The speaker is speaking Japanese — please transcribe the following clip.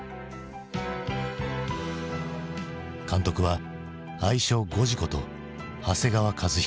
監督は愛称「ゴジ」こと長谷川和彦。